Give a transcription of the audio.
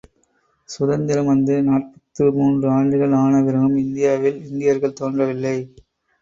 சுதந்திரம் வந்து நாற்பத்து மூன்று ஆண்டுகள் ஆன பிறகும் இந்தியாவில் இந்தியர்கள் தோன்றவில்லை.